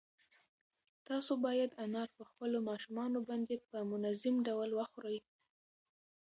تاسو باید انار په خپلو ماشومانو باندې په منظم ډول وخورئ.